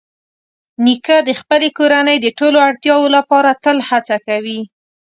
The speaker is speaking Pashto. نیکه د خپلې کورنۍ د ټولو اړتیاوو لپاره تل هڅه کوي.